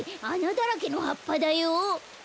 あなだらけのはっぱだよ！